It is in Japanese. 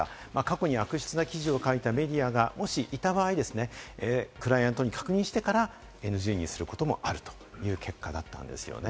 過去に悪質な記事を書いたメディアがもしいた場合、クライアントに確認してからＮＧにすることもあるという結果だったんですね。